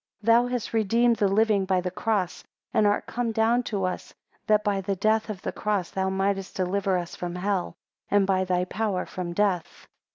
9 Thou hast redeemed the living by thy cross, and art come down to us, that by the death of the cross thou mightest deliver us from hell, and by thy power from death.